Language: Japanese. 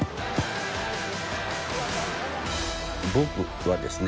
僕はですね